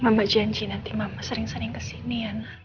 mama janji nanti mama sering sering kesini ya